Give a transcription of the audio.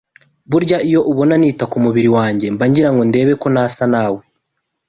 Burya iyo ubona nita ku mubiri wanjye mba ngirango ndebe ko nasa nawe